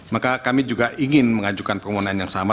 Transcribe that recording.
maka kami juga ingin mengajukan permohonan yang sama